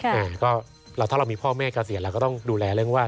อ่าก็เราถ้าเรามีพ่อแม่เกษียณเราก็ต้องดูแลเรื่องว่า